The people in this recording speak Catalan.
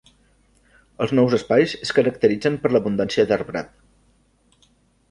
Els nous espais es caracteritzen per l'abundància d'arbrat.